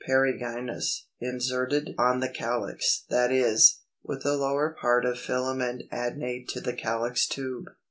Perigynous, inserted on the calyx, that is, with the lower part of filament adnate to the calyx tube.